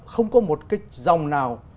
không có một cái dòng nào